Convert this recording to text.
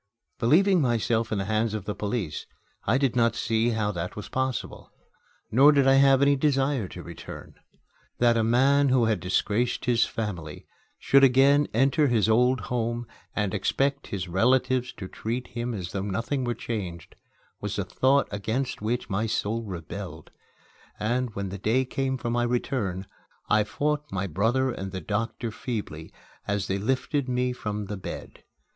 Believing myself in the hands of the police, I did not see how that was possible. Nor did I have any desire to return. That a man who had disgraced his family should again enter his old home and expect his relatives to treat him as though nothing were changed, was a thought against which my soul rebelled; and, when the day came for my return, I fought my brother and the doctor feebly as they lifted me from the bed.